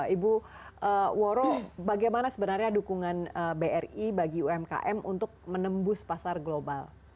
ibu woro bagaimana sebenarnya dukungan bri bagi umkm untuk menembus pasar global